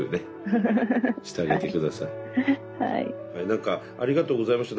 何かありがとうございました。